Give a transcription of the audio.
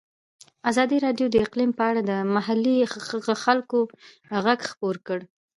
ازادي راډیو د اقلیم په اړه د محلي خلکو غږ خپور کړی.